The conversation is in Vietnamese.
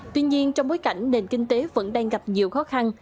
tuy nhiên trong bối cảnh nền kinh tế vẫn đang gặp nhiều khó khăn